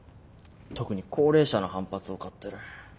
特に高齢者の反発を買ってる。